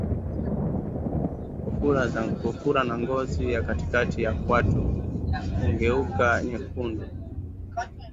Kufura na ngozi ya katikati ya kwato kugeuka nyekundu